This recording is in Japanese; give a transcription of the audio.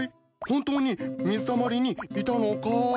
本当に水たまりにいたのかい？